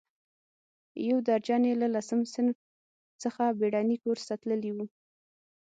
یو درجن یې له لسم صنف څخه بېړني کورس ته تللي وو.